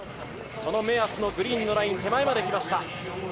目安のグリーンのライン手前まできました。